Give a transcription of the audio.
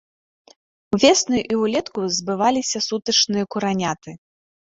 Увесну і ўлетку збываліся сутачныя кураняты.